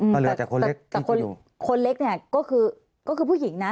แต่คนเล็กก็คือผู้หญิงนะ